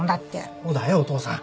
そうだよお父さん。